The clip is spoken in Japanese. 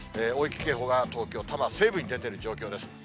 大雪警報が東京・多摩西部に出ている状況です。